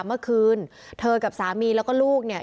เมื่อคืนเธอกับสามีแล้วก็ลูกเนี่ย